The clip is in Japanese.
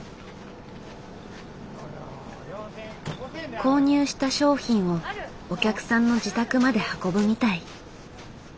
購入した商品をお客さんの自宅まで運ぶみたい。